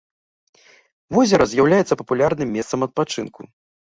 Возера з'яўляецца папулярным месцам адпачынку.